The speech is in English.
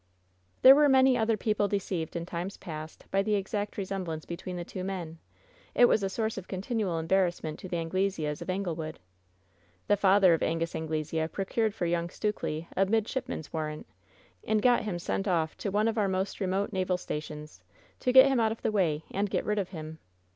"There were many other people deceived in times past 90 WHEN SHADOWS DEE by the exact resemblance between the two men ! It was a source of continual embarrassment to the Angleseas of Anglewood. The father of Angus Anglesea procured for young Stukely a midshipman's warrant, and got him sent off to one of our most remote naval stations, to get him out of the way and get rid of him.